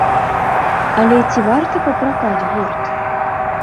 Але ці варта папракаць гурт?